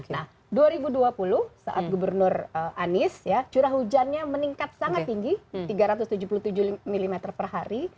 nah dua ribu dua puluh saat gubernur anies ya curah hujannya meningkat sangat tinggi tiga ratus tujuh puluh tujuh mm per hari